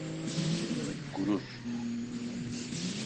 Gurur.